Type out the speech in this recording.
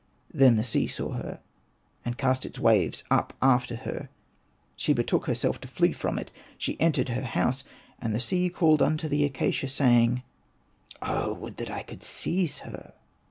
Then the sea saw her, and cast its waves up after her. She betook herself to flee from before it. She entered her house. And the sea called unto the acacia, saying, '' Oh, would that I could seize her